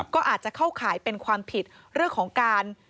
ก็อาจจะเข้าข่ายเป็นความผิดเรื่องของการ